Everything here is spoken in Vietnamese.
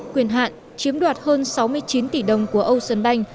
quyền hạn chiếm đoạt hơn sáu mươi chín tỷ đồng của ocean bank